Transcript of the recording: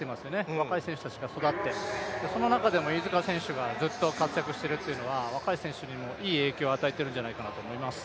若い選手たちが育って、その中でも飯塚選手がずっと活躍しているというのは若い選手にもいい影響を与えているんじゃないかなと思います。